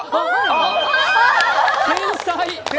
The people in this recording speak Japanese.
天才。